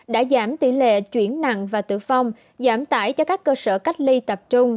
đã giảm tỷ lệ chuyển nặng và tử vong giảm tải cho các cơ sở cách ly tập trung